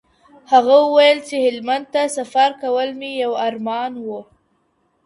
هغه وویل چي هلمند ته سفر کول مي یو ارمان و.